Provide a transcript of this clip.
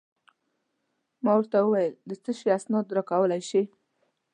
ما ورته وویل: د څه شي اسناد راکولای شې؟